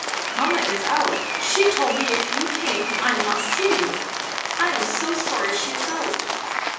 Mamma is out; she told me if you came I must see you. I am so sorry she is out!